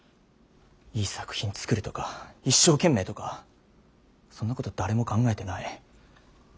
いい作品つくるとか一生懸命とかそんなこと誰も考えてない。